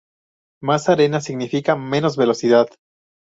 Más arena significa menos velocidad.